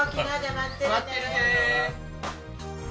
待ってるね！